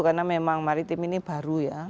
karena memang maritim ini baru ya